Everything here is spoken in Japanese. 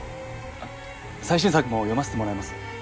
最新作も読ませてもらいます。